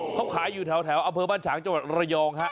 เขาขายอยู่แถวอำเภอบ้านฉางจังหวัดระยองฮะ